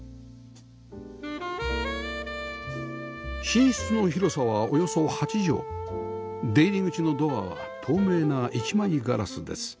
寝室の広さはおよそ８畳出入り口のドアは透明な１枚ガラスです